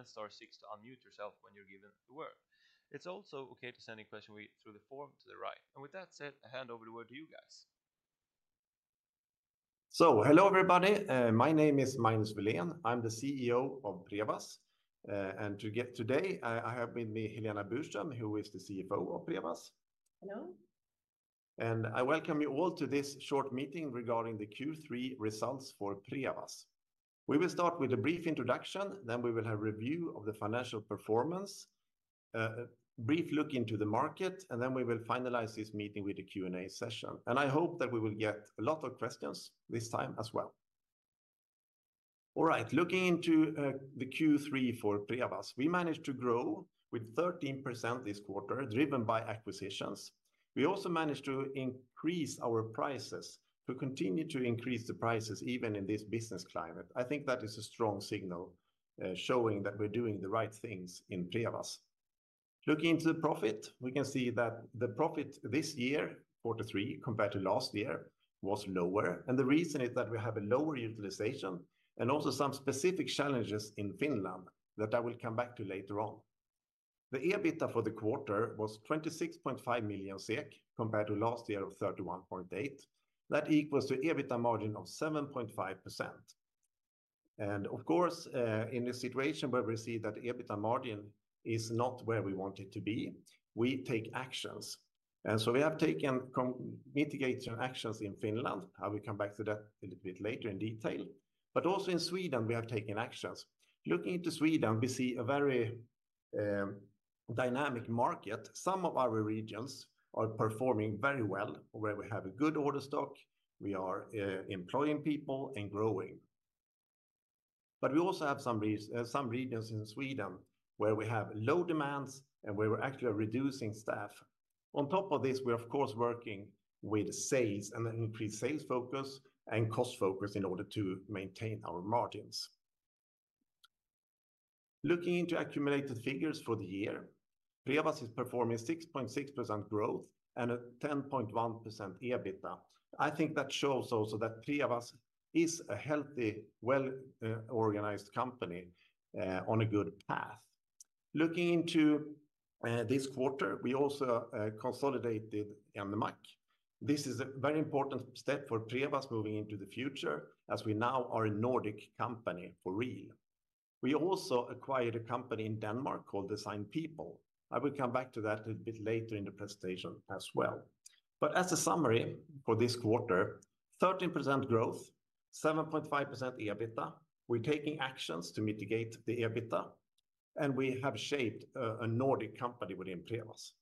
Then star six to unmute yourself when you're given the word. It's also okay to send any question through the form to the right. And with that said, I hand over the word to you guys. Hello, everybody. My name is Magnus Welén. I'm the CEO of Prevas. And today, I have with me Helena Burström, who is the CFO of Prevas. Hello. I welcome you all to this short meeting regarding the Q3 results for Prevas. We will start with a brief introduction, then we will have review of the financial performance, a brief look into the market, and then we will finalize this meeting with a Q&A session. I hope that we will get a lot of questions this time as well. All right, looking into the Q3 for Prevas, we managed to grow with 13% this quarter, driven by acquisitions. We also managed to increase our prices, to continue to increase the prices even in this business climate. I think that is a strong signal showing that we're doing the right things in Prevas. Looking into the profit, we can see that the profit this year, 43%, compared to last year, was lower. And the reason is that we have a lower utilization and also some specific challenges in Finland that I will come back to later on. The EBITDA for the quarter was 26.5 million SEK, compared to last year of 31.8 million. That equals to EBITDA margin of 7.5%. And of course, in this situation where we see that EBITDA margin is not where we want it to be, we take actions. And so we have taken mitigation actions in Finland. I will come back to that a little bit later in detail. But also in Sweden, we have taken actions. Looking into Sweden, we see a very dynamic market. Some of our regions are performing very well, where we have a good order stock, we are employing people and growing. But we also have some regions in Sweden where we have low demands and where we're actually reducing staff. On top of this, we are, of course, working with sales and an increased sales focus and cost focus in order to maintain our margins. Looking into accumulated figures for the year, Prevas is performing 6.6% growth and a 10.1% EBITDA. I think that shows also that Prevas is a healthy, well, organized company, on a good path. Looking into this quarter, we also consolidated Enmac. This is a very important step for Prevas moving into the future, as we now are a Nordic company for real. We also acquired a company in Denmark called Design-People. I will come back to that a bit later in the presentation as well. But as a summary for this quarter, 13% growth, 7.5% EBITDA. We're taking actions to mitigate the EBITDA, and we have shaped a Nordic company within Prevas.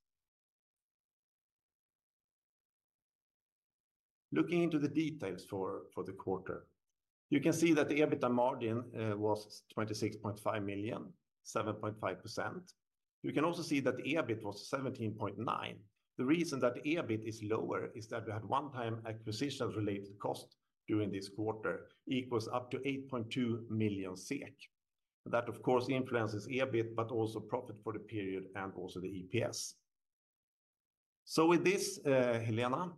Looking into the details for the quarter, you can see that the EBITDA margin was 26.5 million, 7.5%. You can also see that the EBIT was 17.9 million. The reason that EBIT is lower is that we had one-time acquisitions related cost during this quarter, equals up to 8.2 million SEK. That, of course, influences EBIT, but also profit for the period and also the EPS. So with this, Helena,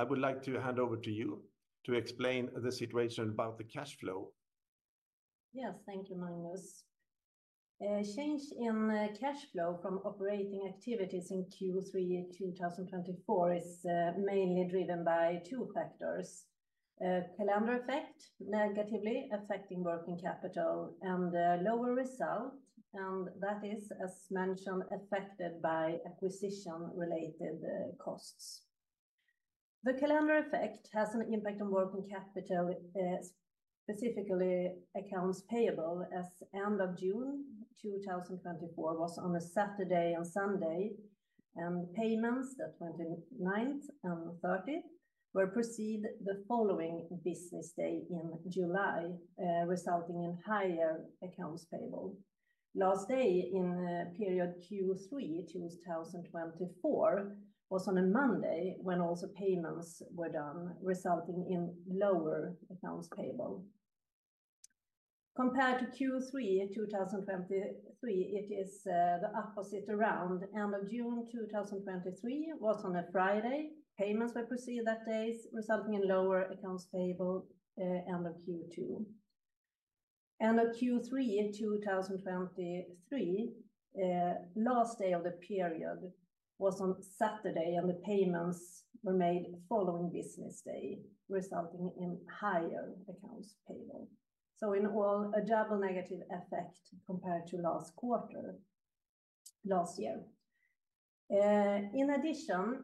I would like to hand over to you to explain the situation about the cash flow. Yes, thank you, Magnus. Change in cash flow from operating activities in Q3 in 2024 is mainly driven by two factors: calendar effect, negatively affecting working capital and a lower result, and that is, as mentioned, affected by acquisition-related costs. The calendar effect has an impact on working capital, specifically, accounts payable, as end of June 2024 was on a Saturday and Sunday, and payments, the 29th and 30th, were processed the following business day in July, resulting in higher accounts payable. Last day in the period Q3 2024, was on a Monday, when also payments were done, resulting in lower accounts payable. Compared to Q3 2023, it is the opposite around. End of June 2023 was on a Friday. Payments were processed that day, resulting in lower accounts payable end of Q2. End of Q3 in 2023, last day of the period was on Saturday, and the payments were made following business day, resulting in higher accounts payable. So in all, a double negative effect compared to last quarter, last year. In addition,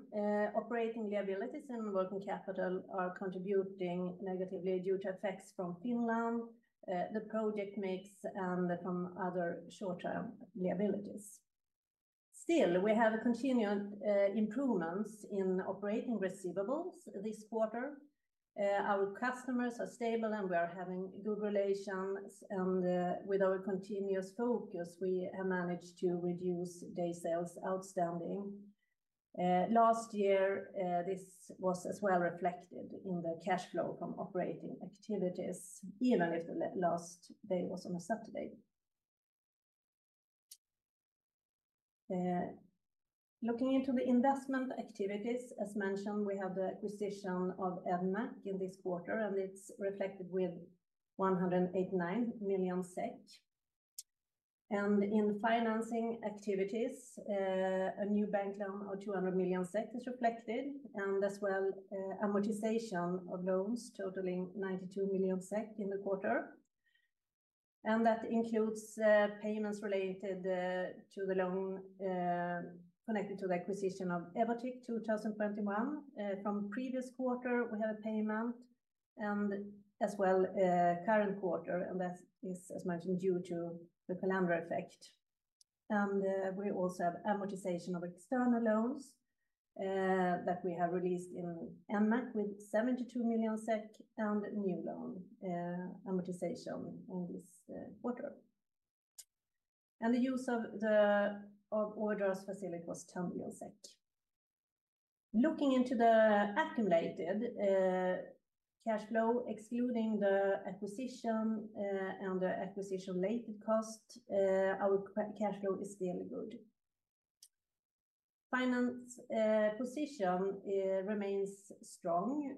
operating liabilities and working capital are contributing negatively due to effects from Finland, the project mix, and from other short-term liabilities. Still, we have a continued improvements in operating receivables this quarter. Our customers are stable, and we are having good relations. With our continuous focus, we have managed to reduce Days Sales Outstanding. Last year, this was as well reflected in the cash flow from operating activities, even if the last day was on a Saturday. Looking into the investment activities, as mentioned, we have the acquisition of Enmac in this quarter, and it's reflected with 189 million SEK, and in financing activities, a new bank loan of 200 million SEK is reflected, and as well, amortization of loans totaling 92 million SEK in the quarter, and that includes payments related to the loan connected to the acquisition of Evotech 2021. From previous quarter, we have a payment and as well current quarter, and that is, as mentioned, due to the calendar effect. We also have amortization of external loans that we have released in Enmac with 72 million SEK and new loan amortization in this quarter. The use of the overdraft facility was SEK 10 million. Looking into the accumulated cash flow, excluding the acquisition and the acquisition-related cost, our cash flow is still good. Financial position remains strong.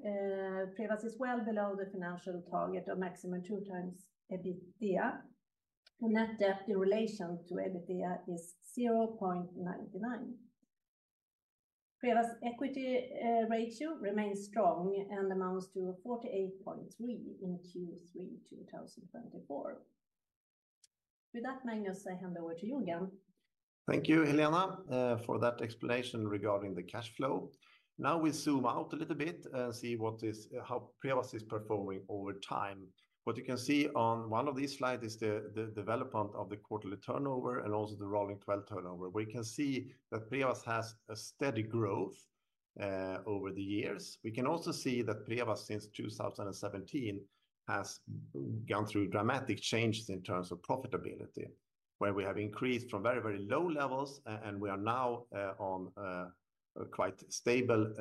Prevas is well below the financial target of maximum 2x EBITDA, and net debt in relation to EBITDA is 0.99. Prevas equity ratio remains strong and amounts to 48.3% in Q3 2024. With that, Magnus, I hand over to you again. Thank you, Helena, for that explanation regarding the cash flow. Now we zoom out a little bit and see what is, how Prevas is performing over time. What you can see on one of these slides is the development of the quarterly turnover and also the rolling 12 turnover, where you can see that Prevas has a steady growth over the years. We can also see that Prevas, since 2017, has gone through dramatic changes in terms of profitability, where we have increased from very, very low levels, and we are now on a quite stable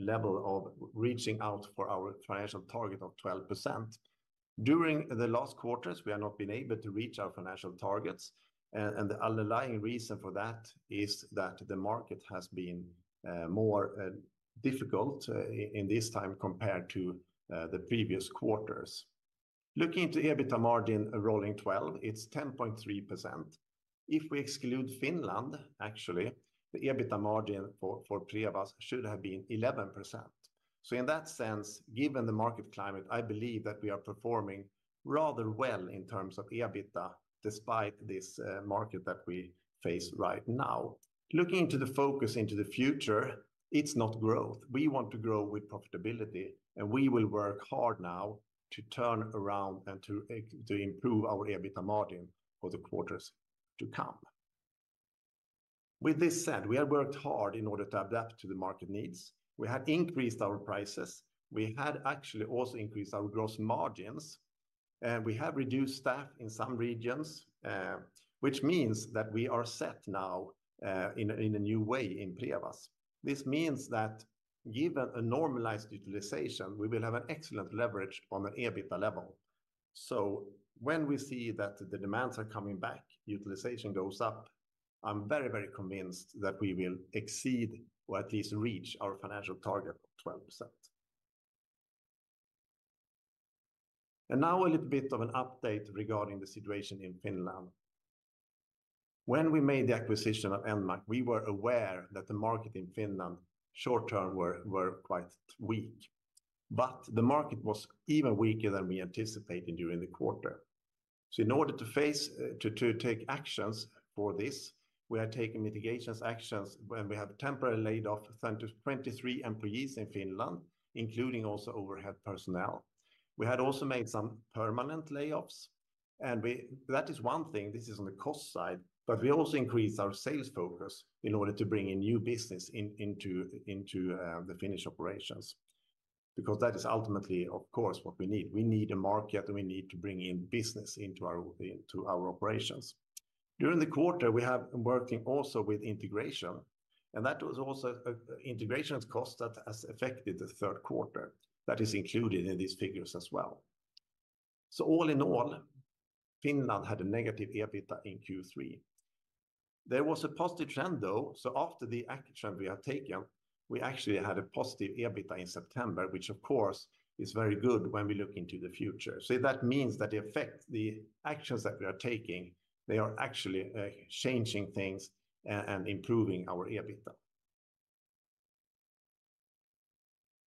level of reaching out for our financial target of 12%. During the last quarters, we have not been able to reach our financial targets, and the underlying reason for that is that the market has been more difficult in this time compared to the previous quarters. Looking into EBITDA margin, rolling 12, it's 10.3%. If we exclude Finland, actually, the EBITDA margin for Prevas should have been 11%. So in that sense, given the market climate, I believe that we are performing rather well in terms of EBITDA, despite this market that we face right now. Looking into the focus into the future, it's not growth. We want to grow with profitability, and we will work hard now to turn around and to improve our EBITDA margin for the quarters to come. With this said, we have worked hard in order to adapt to the market needs. We have increased our prices. We had actually also increased our gross margins, and we have reduced staff in some regions, which means that we are set now in a new way in Prevas. This means that given a normalized utilization, we will have an excellent leverage on an EBITDA level. So when we see that the demands are coming back, utilization goes up, I'm very, very convinced that we will exceed or at least reach our financial target of 12%. And now a little bit of an update regarding the situation in Finland. When we made the acquisition of Enmac, we were aware that the market in Finland, short term, were quite weak, but the market was even weaker than we anticipated during the quarter. In order to face to take actions for this, we are taking mitigation actions, and we have temporarily laid off 23 employees in Finland, including also overhead personnel. We had also made some permanent layoffs, and that is one thing. This is on the cost side, but we also increased our sales focus in order to bring in new business into the Finnish operations, because that is ultimately, of course, what we need. We need a market, and we need to bring in business into our operations. During the quarter, we have been working also with integration, and that was also an integration cost that has affected the third quarter. That is included in these figures as well. All in all, Finland had a negative EBITDA in Q3. There was a positive trend, though. So after the action we have taken, we actually had a positive EBITDA in September, which of course is very good when we look into the future. So that means that the effect, the actions that we are taking, they are actually changing things and improving our EBITDA.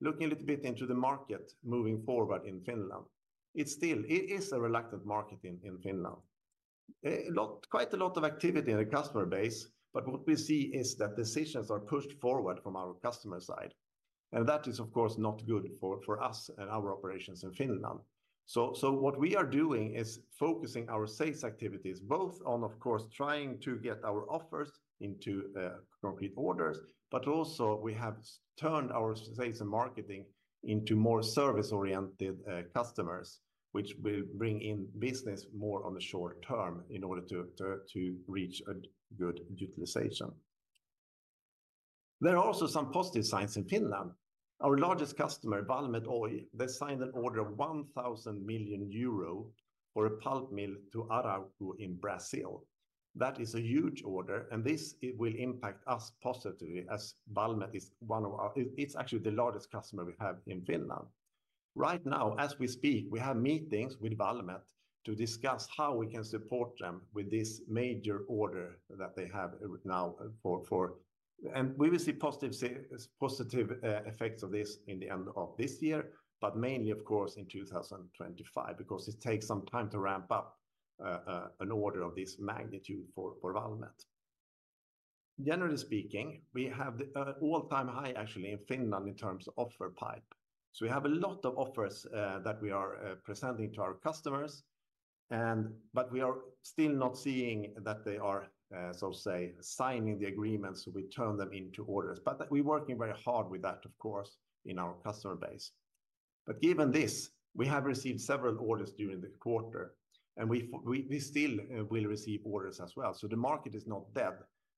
Looking a little bit into the market moving forward in Finland, it's still a reluctant market in Finland. Quite a lot of activity in the customer base, but what we see is that decisions are pushed forward from our customer side, and that is, of course, not good for us and our operations in Finland. What we are doing is focusing our sales activities, both on, of course, trying to get our offers into concrete orders, but also we have turned our sales and marketing into more service-oriented customers, which will bring in business more on the short term in order to reach a good utilization. There are also some positive signs in Finland. Our largest customer, Valmet Oy, they signed an order of 1,000 million euro for a pulp mill to Arauco in Brazil. That is a huge order, and this it will impact us positively as Valmet is one of our. It is actually the largest customer we have in Finland. Right now, as we speak, we have meetings with Valmet to discuss how we can support them with this major order that they have now for. We will see positive, positive effects of this in the end of this year, but mainly, of course, in 2025, because it takes some time to ramp up an order of this magnitude for Valmet. Generally speaking, we have the all-time high, actually, in Finland in terms of order pipeline. So we have a lot of offers that we are presenting to our customers, and but we are still not seeing that they are so to say signing the agreements we turn them into orders. But we're working very hard with that, of course, in our customer base. But given this, we have received several orders during the quarter, and we still will receive orders as well. So the market is not dead,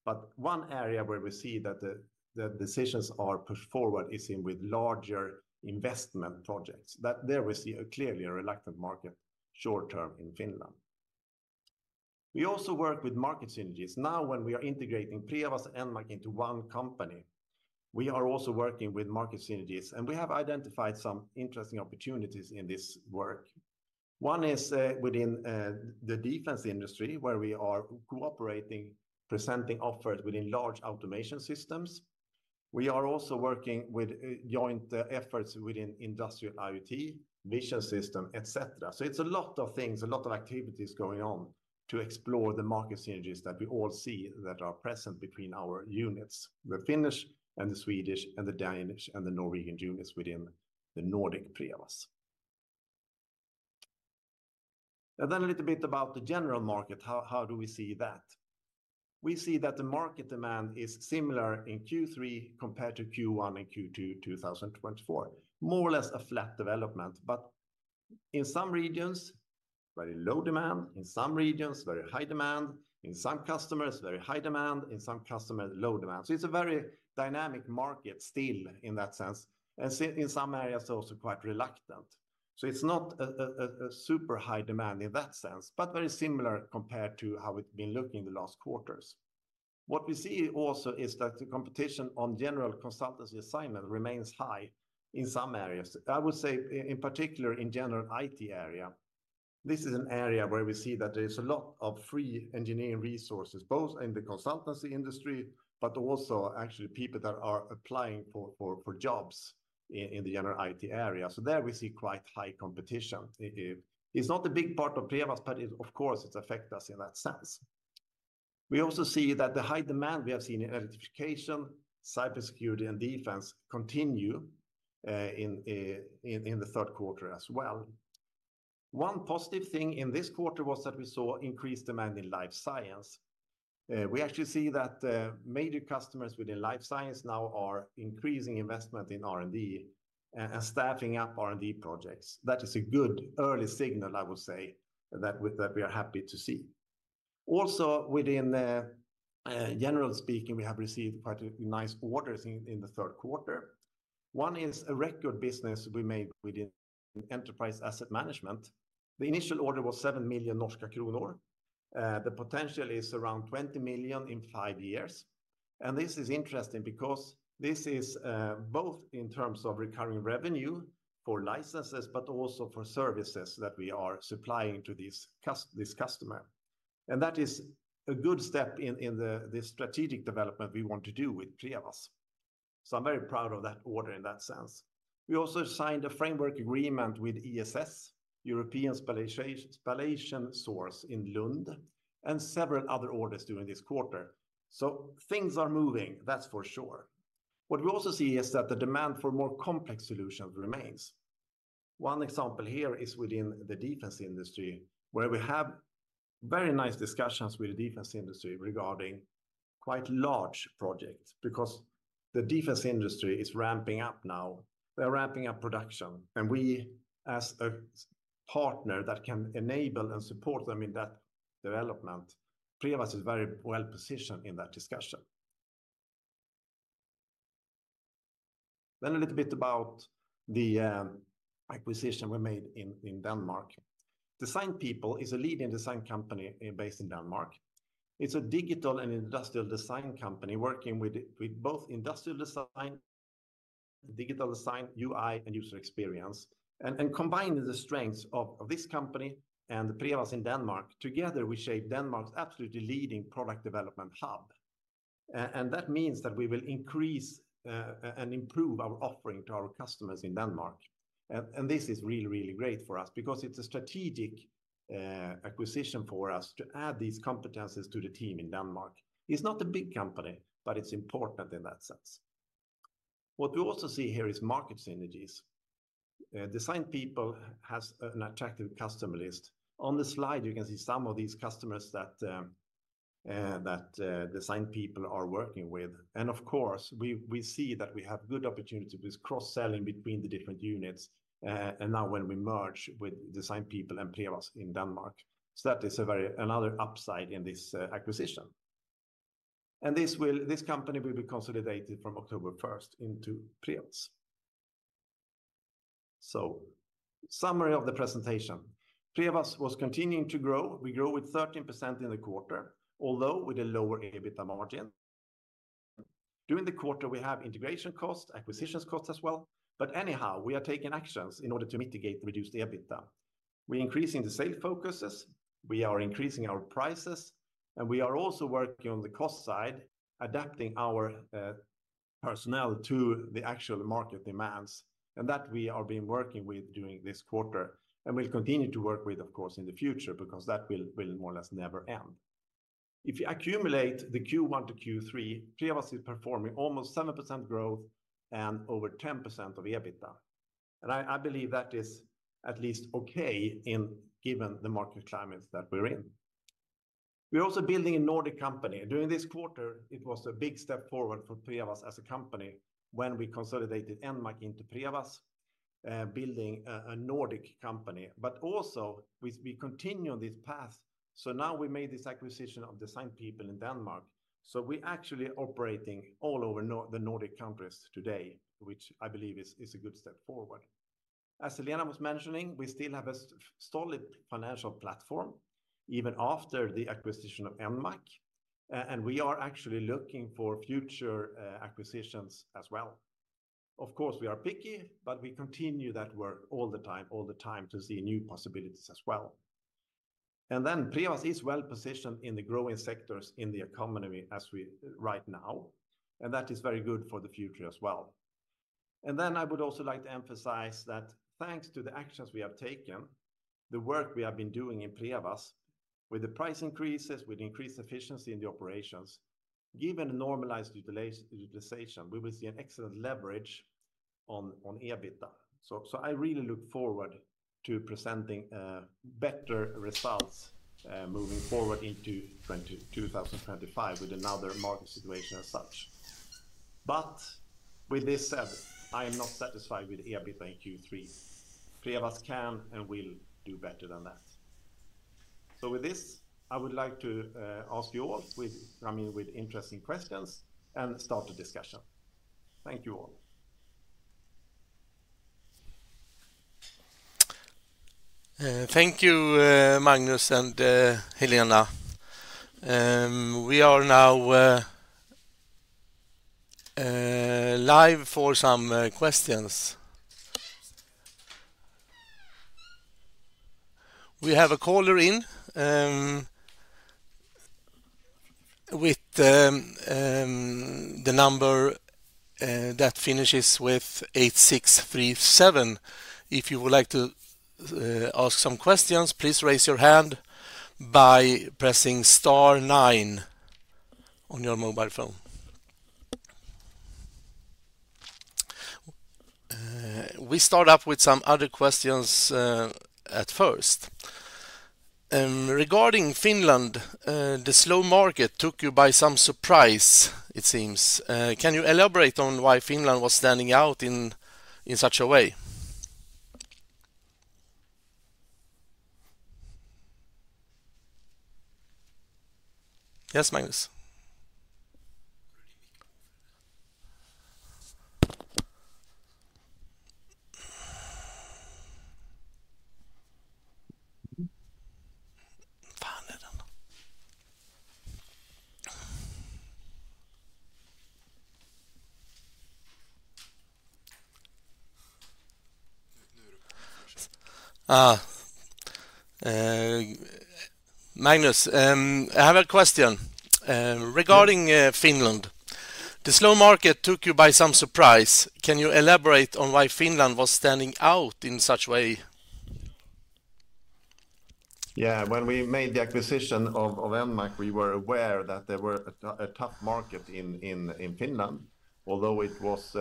but one area where we see that the decisions are pushed forward is in with larger investment projects. That there we see clearly a reluctant market short term in Finland. We also work with market synergies. Now, when we are integrating Prevas and Enmac into one company, we are also working with market synergies, and we have identified some interesting opportunities in this work. One is within the defense industry, where we are cooperating, presenting offers within large automation systems. We are also working with joint efforts within Industrial IoT, vision system, et cetera. So it's a lot of things, a lot of activities going on to explore the market synergies that we all see that are present between our units, the Finnish and the Swedish, and the Danish, and the Norwegian units within the Nordic Prevas. Then a little bit about the general market. How do we see that? We see that the market demand is similar in Q3 compared to Q1 and Q2, 2024. More or less a flat development, but in some regions, very low demand. In some regions, very high demand. In some customers, very high demand. In some customers, low demand. So it's a very dynamic market still in that sense, and so in some areas, also quite reluctant. So it's not a super high demand in that sense, but very similar compared to how it's been looking in the last quarters. What we see also is that the competition on general consultancy assignment remains high in some areas. I would say in particular, in general, IT area. This is an area where we see that there is a lot of free engineering resources, both in the consultancy industry, but also actually people that are applying for jobs in the general IT area. So there we see quite high competition. It's not a big part of Prevas, but it, of course, it affect us in that sense. We also see that the high demand we have seen in electrification, cybersecurity, and defense continue in the third quarter as well. One positive thing in this quarter was that we saw increased demand in life science. We actually see that major customers within life science now are increasing investment in R&D and staffing up R&D projects. That is a good early signal, I would say, that we are happy to see. Also, within, generally speaking, we have received quite nice orders in the third quarter. One is a record business we made within Enterprise Asset Management. The initial order was 7 million kroner. The potential is around 20 million in five years. And this is interesting because this is both in terms of recurring revenue for licenses, but also for services that we are supplying to this customer. And that is a good step in the strategic development we want to do with Prevas. So I'm very proud of that order in that sense. We also signed a framework agreement with ESS, European Spallation Source in Lund, and several other orders during this quarter. So things are moving, that's for sure. What we also see is that the demand for more complex solutions remains. One example here is within the defense industry, where we have very nice discussions with the defense industry regarding quite large projects, because the defense industry is ramping up now. They're ramping up production, and we, as a partner that can enable and support them in that development, Prevas is very well positioned in that discussion. Then a little bit about the acquisition we made in Denmark. Design-People is a leading design company based in Denmark. It's a digital and industrial design company working with both industrial design, digital design, UI, and user experience. And combining the strengths of this company and Prevas in Denmark, together, we shape Denmark's absolutely leading product development hub. And that means that we will increase and improve our offering to our customers in Denmark. This is really, really great for us because it's a strategic acquisition for us to add these competencies to the team in Denmark. It's not a big company, but it's important in that sense. What we also see here is market synergies. Design-People has an attractive customer list. On the slide, you can see some of these customers that Design-People are working with. And of course, we see that we have good opportunity with cross-selling between the different units, and now when we merge with Design-People and Prevas in Denmark. That is a very another upside in this acquisition. This company will be consolidated from October first into Prevas. Summary of the presentation. Prevas was continuing to grow. We grew with 13% in the quarter, although with a lower EBITDA margin. During the quarter, we have integration costs, acquisitions costs as well, but anyhow, we are taking actions in order to mitigate the reduced EBITDA. We increasing the sales forces, we are increasing our prices, and we are also working on the cost side, adapting our personnel to the actual market demands, and that we are being working with during this quarter, and we'll continue to work with, of course, in the future, because that will more or less never end. If you accumulate the Q1 to Q3, Prevas is performing almost 7% growth and over 10% of EBITDA. I believe that is at least okay in given the market climates that we're in. We're also building a Nordic company. During this quarter, it was a big step forward for Prevas as a company when we consolidated Enmac into Prevas, building a Nordic company, but also we continue on this path. So now we made this acquisition of Design-People in Denmark, so we actually operating all over the Nordic countries today, which I believe is a good step forward. As Helena was mentioning, we still have a solid financial platform, even after the acquisition of Enmac, and we are actually looking for future acquisitions as well. Of course, we are picky, but we continue that work all the time to see new possibilities as well, and then Prevas is well positioned in the growing sectors in the economy as we right now, and that is very good for the future as well. And then I would also like to emphasize that thanks to the actions we have taken, the work we have been doing in Prevas, with the price increases, with increased efficiency in the operations, given a normalized utilization, we will see an excellent leverage on EBITDA. So I really look forward to presenting better results moving forward into 2025 with another market situation as such. But with this said, I am not satisfied with EBITDA in Q3. Prevas can and will do better than that. So with this, I would like to ask you all with, I mean, with interesting questions and start the discussion. Thank you all. Thank you, Magnus and Helena. We are now live for some questions. We have a caller in with the number that finishes with eight six three seven. If you would like to ask some questions, please raise your hand by pressing star nine on your mobile phone. We start off with some other questions at first. Regarding Finland, the slow market took you by some surprise, it seems. Can you elaborate on why Finland was standing out in such a way? Yes, Magnus. Magnus, I have a question regarding Finland. The slow market took you by some surprise. Can you elaborate on why Finland was standing out in such way? Yeah. When we made the acquisition of Enmac, we were aware that there were a tough market in Finland, although it was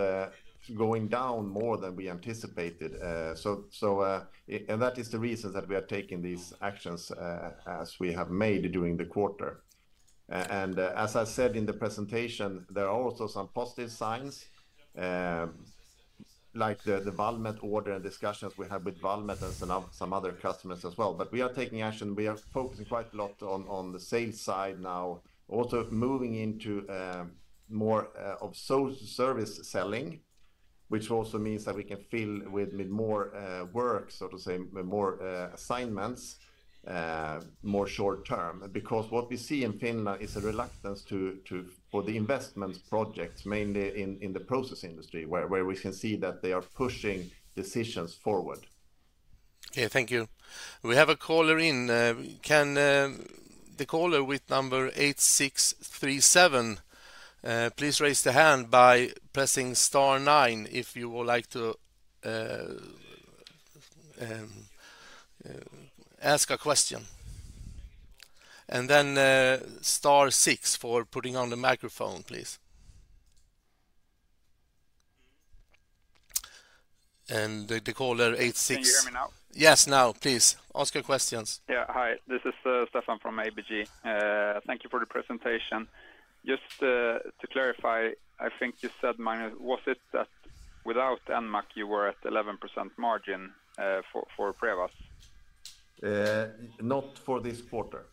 going down more than we anticipated. So and that is the reason that we are taking these actions, as we have made during the quarter. And as I said in the presentation, there are also some positive signs, like the Valmet order and discussions we have with Valmet and some other customers as well. But we are taking action. We are focusing quite a lot on the sales side now. Also moving into more service selling, which also means that we can fill with more work, so to say, with more assignments, more short term. Because what we see in Finland is a reluctance to for the investment projects, mainly in the process industry, where we can see that they are pushing decisions forward. Okay, thank you. We have a caller in. Can the caller with number eight six three seven please raise their hand by pressing star nine if you would like to ask a question. And then star six for putting on the microphone, please. And the caller eight six- Can you hear me now? Yes, now, please, ask your questions. Yeah. Hi, this is Stefan from ABG. Thank you for the presentation. Just to clarify, I think you said, Magnus, was it that without Enmac, you were at 11% margin for Prevas? Not for this quarter.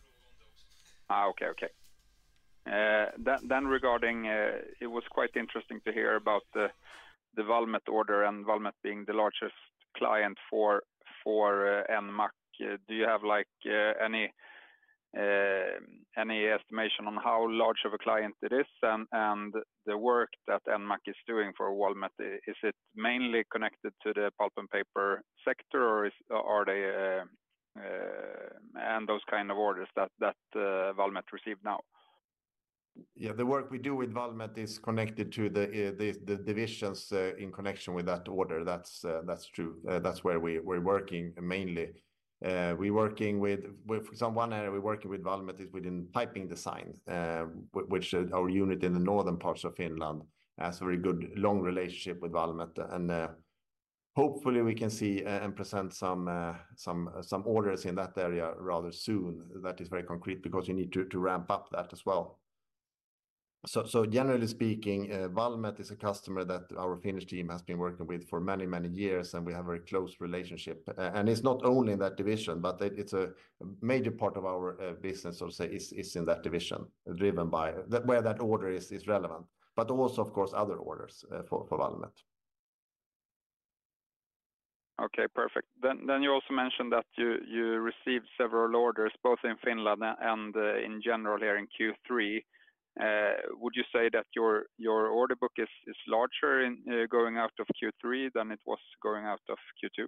Ah, okay, okay. Then, regarding, it was quite interesting to hear about the Valmet order, and Valmet being the largest client for Enmac. Do you have, like, any estimation on how large of a client it is and the work that Enmac is doing for Valmet? Is it mainly connected to the pulp and paper sector, or are they... And those kind of orders that Valmet receive now? Yeah, the work we do with Valmet is connected to the divisions in connection with that order. That's true. That's where we're working mainly. We're working with someone, and we're working with Valmet is within piping design, which our unit in the northern parts of Finland has a very good long relationship with Valmet, and hopefully we can see and present some orders in that area rather soon. That is very concrete, because you need to ramp up that as well, so generally speaking, Valmet is a customer that our Finnish team has been working with for many, many years, and we have a very close relationship. And it's not only in that division, but it's a major part of our business, so to say, is in that division, driven by where that order is relevant, but also, of course, other orders for Valmet. Okay, perfect. Then you also mentioned that you received several orders, both in Finland and in general here in Q3. Would you say that your order book is larger in going out of Q3 than it was going out of Q2?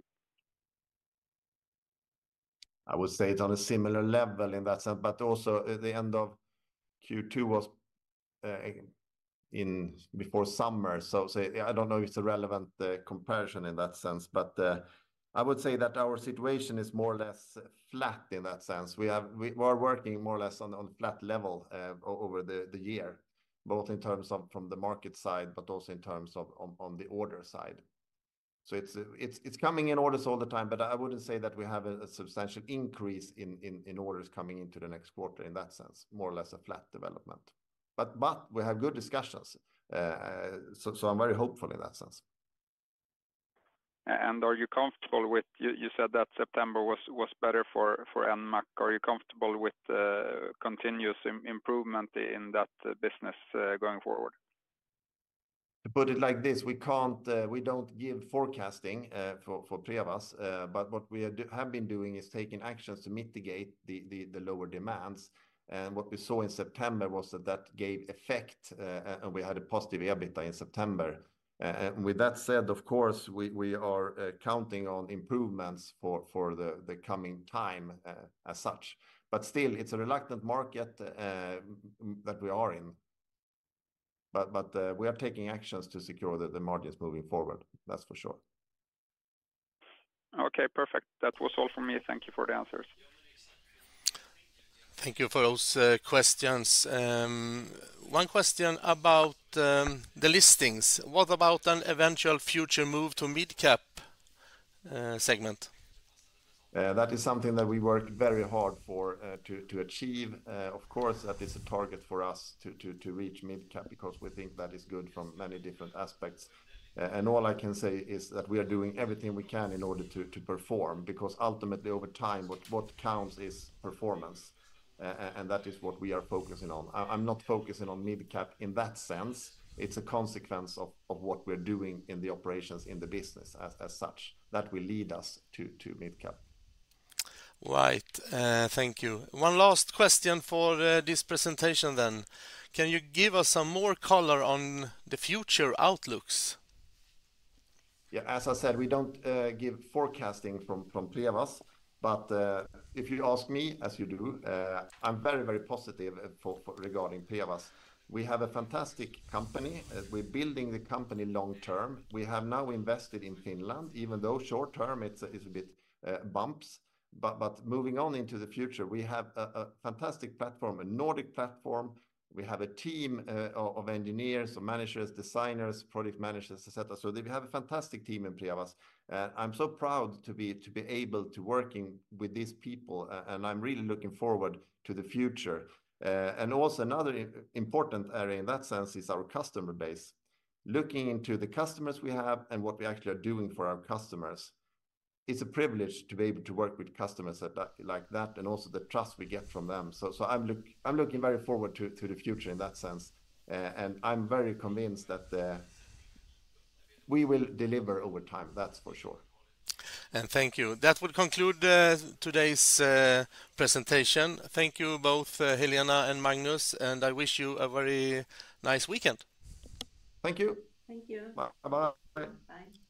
I would say it's on a similar level in that sense, but also, the end of Q2 was in before summer. So say, I don't know if it's a relevant comparison in that sense, but, I would say that our situation is more or less flat in that sense. We are working more or less on a flat level, over the year, both in terms of from the market side, but also in terms of, on the order side. So it's coming in orders all the time, but I wouldn't say that we have a substantial increase in orders coming into the next quarter, in that sense, more or less a flat development. But we have good discussions. So I'm very hopeful in that sense. Are you comfortable with... You said that September was better for Enmac. Are you comfortable with continuous improvement in that business going forward? To put it like this, we can't, we don't give forecasting for Prevas. But what we have been doing is taking actions to mitigate the lower demands. And what we saw in September was that that gave effect, and we had a positive EBITDA in September. And with that said, of course, we are counting on improvements for the coming time, as such. But still, it's a reluctant market that we are in. But we are taking actions to secure the margins moving forward, that's for sure. Okay, perfect. That was all for me. Thank you for the answers. Thank you for those questions. One question about the listings: What about an eventual future move to mid-cap segment? That is something that we worked very hard for to achieve. Of course, that is a target for us to reach mid-cap, because we think that is good from many different aspects. And all I can say is that we are doing everything we can in order to perform, because ultimately, over time, what counts is performance, and that is what we are focusing on. I'm not focusing on mid-cap in that sense. It's a consequence of what we're doing in the operations in the business, as such, that will lead us to mid-cap. Right. Thank you. One last question for this presentation then: Can you give us some more color on the future outlooks? Yeah, as I said, we don't give forecasting from Prevas. But if you ask me, as you do, I'm very, very positive for regarding Prevas. We have a fantastic company. We're building the company long term. We have now invested in Finland, even though short term, it's a bit bumps. But moving on into the future, we have a fantastic platform, a Nordic platform. We have a team of engineers, of managers, designers, product managers, et cetera. So we have a fantastic team in Prevas, and I'm so proud to be able to working with these people, and I'm really looking forward to the future. And also another important area in that sense is our customer base. Looking into the customers we have and what we actually are doing for our customers, it's a privilege to be able to work with customers that, like that, and also the trust we get from them. I'm looking very forward to the future in that sense, and I'm very convinced that we will deliver over time, that's for sure. Thank you. That would conclude today's presentation. Thank you both, Helena and Magnus, and I wish you a very nice weekend. Thank you. Thank you. Bye. Bye-bye. Bye.